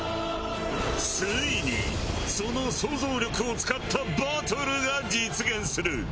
ついにその創造力を使ったバトルが実現する！